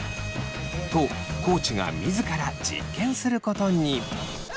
と地が自ら実験することに。